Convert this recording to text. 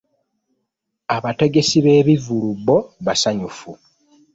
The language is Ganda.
Abategesi b'ebivvulu bbo basanyufu.